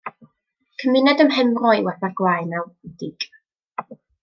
Cymuned ym Mhenfro yw Abergwaun a Wdig.